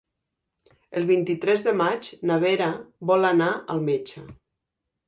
El vint-i-tres de maig na Vera vol anar al metge.